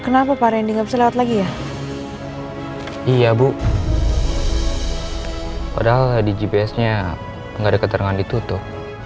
kenapa pak randi nggak bisa lewat lagi ya iya bu padahal di gps nya enggak ada keterangan ditutup